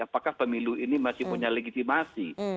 apakah pemilu ini masih punya legitimasi